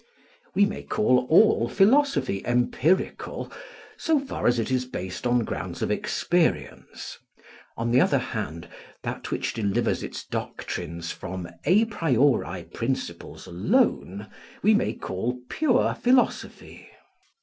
We may call all philosophy empirical, so far as it is based on grounds of experience: on the other hand, that which delivers its doctrines from a priori principles alone we may call pure philosophy.